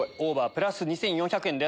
プラス２４００円です。